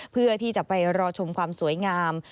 เพื่อที่จะไปรอชมความสวยงาม